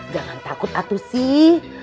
jangan takut atuh sih